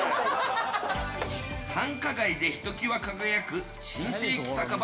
繁華街でひときわ輝く新世紀酒場